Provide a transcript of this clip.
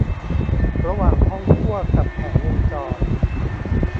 ระหว่างห้องคั่วกับแผงวงจร